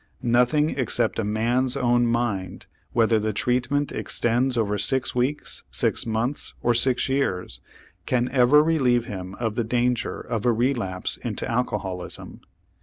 Nothing except a man's own mind, whether the treatment extends over six weeks, six months, or six years, can ever relieve him of the danger of a relapse into alcoholism.